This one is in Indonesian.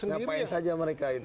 kenapa saja mereka itu